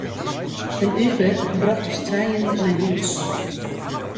In Uber brocht ús trijen nei hûs.